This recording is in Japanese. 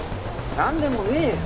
なんでもねえよ。